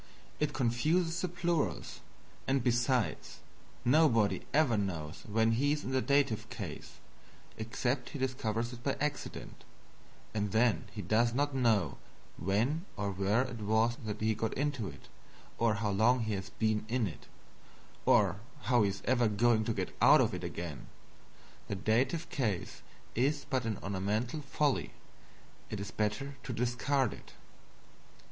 It confuses the plurals; and, besides, nobody ever knows when he is in the Dative case, except he discover it by accident and then he does not know when or where it was that he got into it, or how long he has been in it, or how he is ever going to get out of it again. The Dative case is but an ornamental folly it is better to discard it.